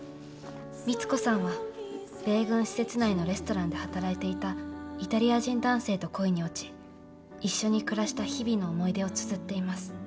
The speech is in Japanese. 光子さんは米軍施設内のレストランで働いていたイタリア人男性と恋に落ち一緒に暮らした日々の思い出をつづっています。